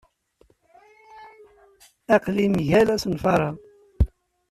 Aql-i mgal asenfar-a.